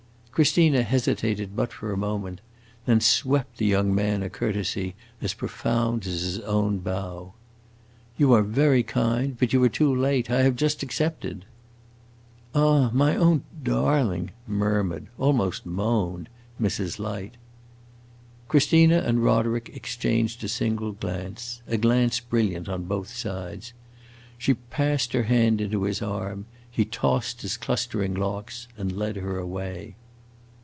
Christina hesitated but for a moment, then swept the young man a courtesy as profound as his own bow. "You are very kind, but you are too late. I have just accepted!" "Ah, my own darling!" murmured almost moaned Mrs. Light. Christina and Roderick exchanged a single glance a glance brilliant on both sides. She passed her hand into his arm; he tossed his clustering locks and led her away.